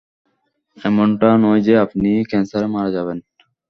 এমনটা নয় যে আপনি ক্যান্সারে মারা যাবেন।